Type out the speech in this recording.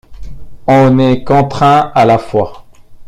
On est contraint à la foi.